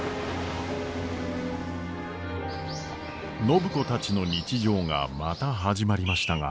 暢子たちの日常がまた始まりましたが。